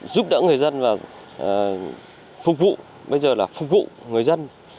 giúp đỡ người dân và phục vụ bây giờ là phục vụ người dân